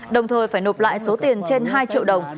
đồng thời phải nộp lại số tiền trên hai triệu đồng